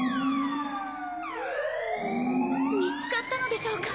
見つかったのでしょうか。